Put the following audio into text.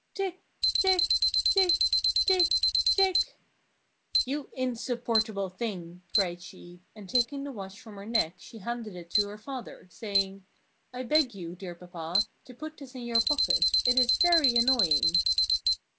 "Tic! Tic! Tic! Tic! Tic!" "You insupportable thing!" cried she, and taking the watch from her neck she handed it to her father, saying: "I beg you, dear Papa, to put this in your pocket. It is very annoying!"